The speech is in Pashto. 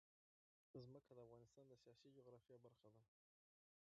ځمکه د افغانستان د سیاسي جغرافیه برخه ده.